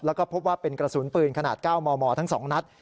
แล้วก็พบว่าเป็นกระสุนปืนขนาด๙มมทั้ง๒นัด